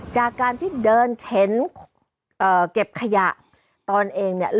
จากการที่เดินเข็นเก็บขยะตนเองเนี่ย